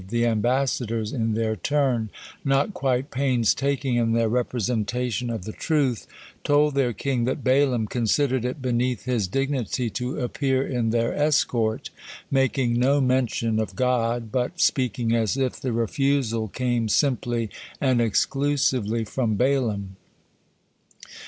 The ambassadors in their turn, not quite painstaking in their representation of the truth, told their king that Balaam considered it beneath his dignity to appear in their escort, making no mention of God, but speaking as if the refusal came simply and exclusively from Balaam.